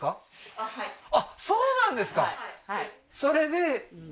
あっはいあっそうなんですか